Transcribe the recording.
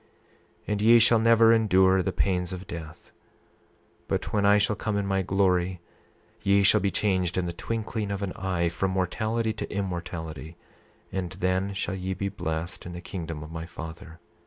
28:8 And ye shall never endure the pains of death; but when I shall come in my glory ye shall be changed in the twinkling of an eye from mortality to immortality; and then shall ye be blessed in the kingdom of my Father.